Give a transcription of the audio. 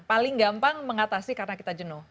paling gampang mengatasi karena kita jenuh